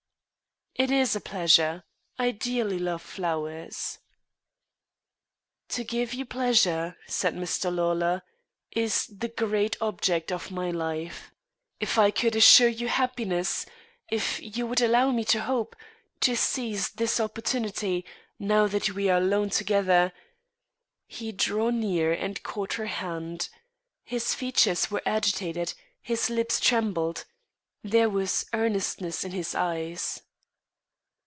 "It is a pleasure. I dearly love flowers." "To give you pleasure," said Mr. Lawlor, "is the great object of my life. If I could assure you happiness if you would allow me to hope to seize this opportunity, now that we are alone together " He drew near and caught her hand. His features were agitated, his lips trembled, there was earnestness in his eyes.